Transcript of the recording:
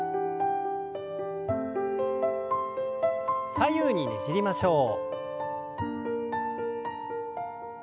左右にねじりましょう。